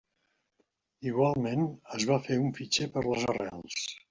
Igualment, es va fer un fitxer per a les arrels.